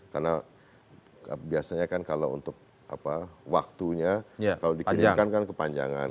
karena biasanya kan kalau untuk waktunya kalau dikirimkan kan kepanjangan